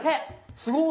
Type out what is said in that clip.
すごい！